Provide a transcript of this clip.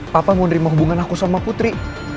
papa mau nerima hubungan aku sama putri